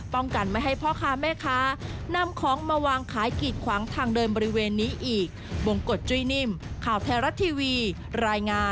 ก็มีทางเดินนะแต่ถ้าคนแน่นก็กิดขวางพอสมควร